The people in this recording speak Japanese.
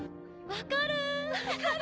分かる！